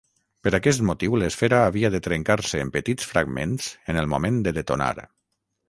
Per aquest motiu l'esfera havia de trencar-se en petits fragments en el moment de detonar.